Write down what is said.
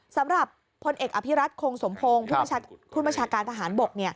สำหรับพลเอกอภิรัตคงสมพงศ์ผู้บัญชาการทหารบก